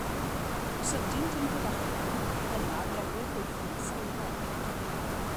Os ydynt yn gyfochrog yna gelwir hwythau'n sylfaen.